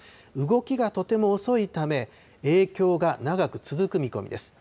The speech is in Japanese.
動きがとても遅いため、影響が長く続く見込みです。